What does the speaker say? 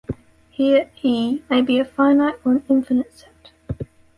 Here "E" may be a finite or an infinite set.